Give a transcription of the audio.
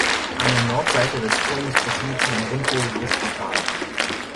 An der Nordseite des Turmes befindet sich ein rundbogiges Portal.